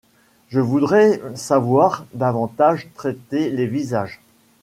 Je voudrais savoir davantage traiter les visages.